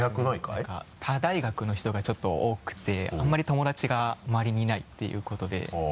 何か他大学の人がちょっと多くてあんまり友達がまわりにいないっていうことで。